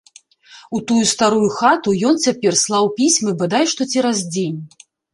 У тую старую хату ён цяпер слаў пісьмы бадай што цераз дзень.